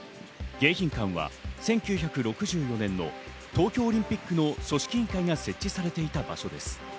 迎賓館は１９６４年の東京オリンピックの組織委員会が設置されていた場所です。